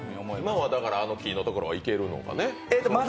今は木のところは行けるのかね？